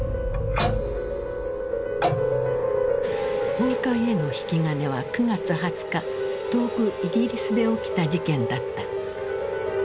崩壊への引き金は９月２０日遠くイギリスで起きた事件だった。